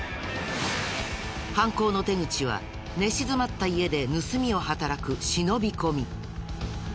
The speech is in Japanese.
犯行の手口は寝静まった家で盗みを働く忍び込み。